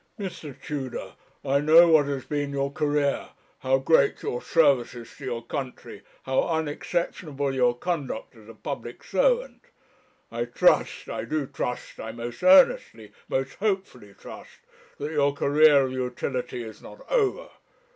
Mr. Tudor, I know what has been your career, how great your services to your country, how unexceptionable your conduct as a public servant; I trust, I do trust, I most earnestly, most hopefully trust, that your career of utility is not over.